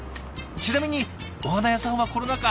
ちなみにお花屋さんはコロナ禍